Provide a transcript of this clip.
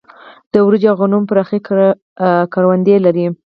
د وريجو او غنمو پراخې کروندې لري.